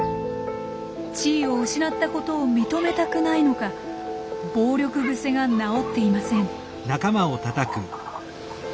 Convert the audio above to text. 地位を失ったことを認めたくないのか暴力癖が治っていません。